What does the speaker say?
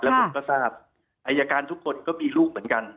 ผมก็ทราบอายการทุกคนก็มีลูกเหมือนกัน